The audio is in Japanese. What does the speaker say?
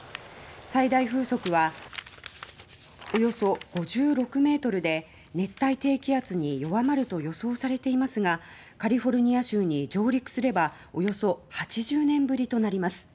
最大風速は、およそ５６ｍで熱帯低気圧に弱まると予想されていますがカリフォルニア州に上陸すればおよそ８０年ぶりとなります。